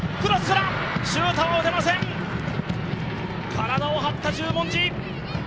体を張った十文字！